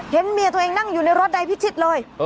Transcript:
เมียตัวเองนั่งอยู่ในรถนายพิชิตเลย